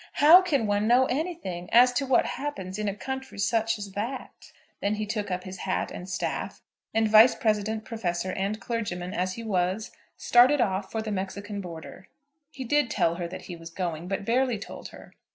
How can one know anything as to what happens in a country such as that?" Then he took up his hat and staff, and, vice president, professor, and clergyman as he was, started off for the Mexican border. He did tell her that he was going, but barely told her.